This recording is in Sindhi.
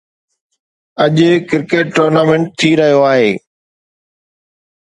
اڄ ڪرڪيٽ ٽورنامينٽ ٿي رهيو آهي.